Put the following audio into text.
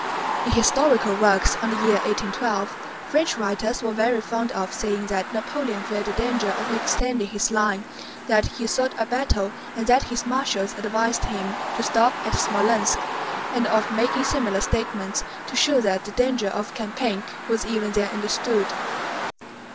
In historical works on the year 1812 French writers are very fond of saying that Napoleon felt the danger of extending his line, that he sought a battle and that his marshals advised him to stop at Smolénsk, and of making similar statements to show that the danger of the campaign was even then understood.